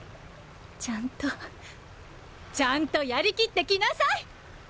ちゃんとちゃんとやりきってきなさい！